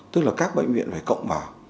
tức là các bệnh viện phải cộng vào